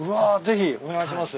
ぜひお願いします。